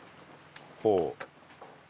ほう。